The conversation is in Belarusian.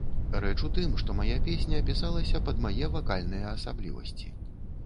Рэч у тым, што мая песня пісалася пад мае вакальныя асаблівасці.